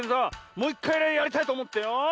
もういっかいやりたいとおもってよ。